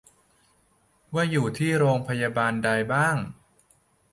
ว่าอยู่ที่โรงพยาบาลใดบ้าง